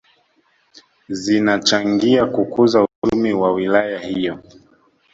Zinachangia kukuza uchumi wa wilaya hiyo